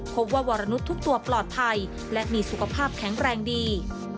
วรนุษย์ทุกตัวปลอดภัยและมีสุขภาพแข็งแรงดี